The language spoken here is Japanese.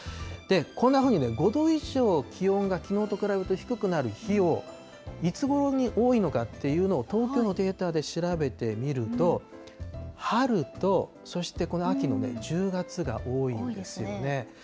こんなふうに５度以上気温がきのうと比べて低くなる日を、いつ頃に多いのかっていうのを東京のデータで調べてみると、春と、そしてこの秋の１０月が多いんですよね。